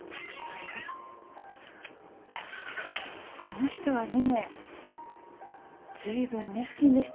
あの人はね随分熱心でしたよ。